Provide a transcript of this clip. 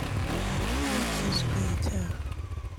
Iyo byiswe icyaha